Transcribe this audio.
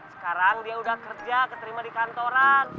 sekarang dia udah kerja keterima di kantoran